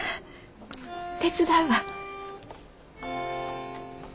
手伝うわ。